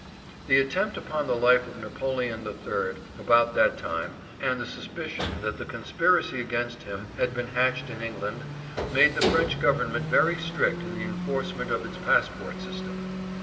The attempt upon the life of Napoleon III about that time, and the suspi cion that the conspiracy against him had been hatched in England, made the French government very strict in the enforcement of its passport system.